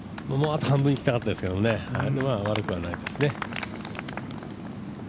あと半分行きたかったですけど、まあ悪くないですね。